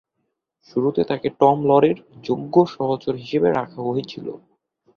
শুরুতে তাকে টম লরি’র যোগ্য সহচর হিসেবে রাখা হয়েছিল।